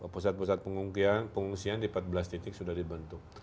pusat pusat pengungsian pengungsian di empat belas titik sudah dibentuk